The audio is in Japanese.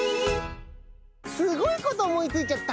すごいことおもいついちゃった！